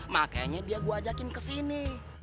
makanya dia gua ajakin kesini